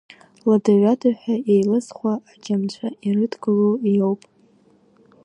Лада-ҩада ҳәа еилызхуа аџьамцәа ирыдгыло иоуп.